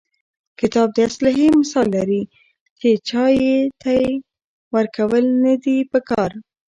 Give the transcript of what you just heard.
کتاب د اسلحې مثال لري، چي چا ته ئې ورکول نه دي په کار.